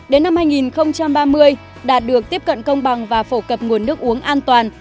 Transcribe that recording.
đến năm hai nghìn ba mươi đạt được tiếp cận công bằng và phổ cập nguồn nước uống an toàn